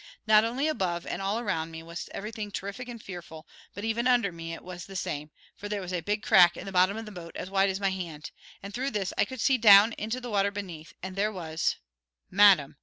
Not only above and all around me was everything terrific and fearful, but even under me it was the same, for there was a big crack in the bottom of the boat as wide as my hand, and through this I could see down into the water beneath, and there was " "Madam!"